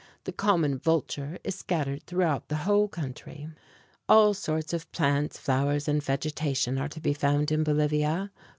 The common vulture is scattered throughout the whole country. All sorts of plants, flowers and vegetation are to be found in Bolivia.